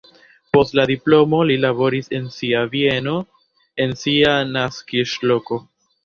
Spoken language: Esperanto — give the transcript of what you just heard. Post la diplomo li laboris en sia bieno en sia naskiĝloko.